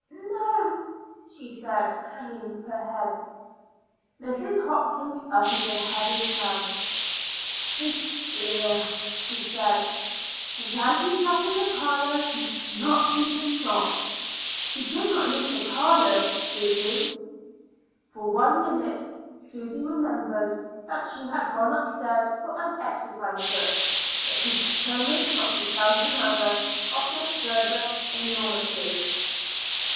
"No" she said, hanging her head. Mrs. Hopkins uttered a heavy sigh. "Oh, dear!" she said. "And as you sat in the parlor you could see the shop. You did not leave the parlor, did you?" For one minute Susy remembered that she had gone upstairs for an exercise book, but she determined not to tell her mother of this further enormity.